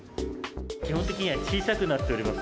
基本的には小さくなっております。